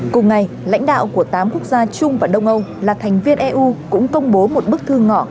cùng ngày lãnh đạo của tám quốc gia trung và đông âu là thành viên eu cũng công bố một bức thư ngỏ